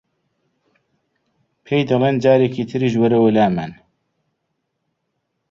پێی دەڵێن جارێکی تریش وەرەوە لامان